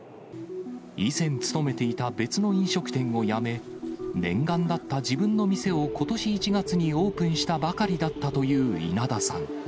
以前勤めていた別の飲食店を辞め、念願だった自分の店を、ことし１月にオープンしたばかりだったという稲田さん。